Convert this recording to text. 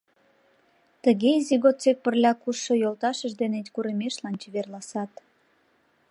Тыге изи годсек пырля кушшо йолташышт дене курымешлан чеверласат.